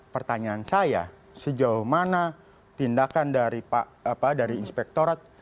pertanyaan saya sejauh mana tindakan dari pak apa dari inspektorat